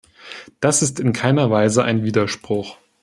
Das ist in keiner Weise ein Widerspruch.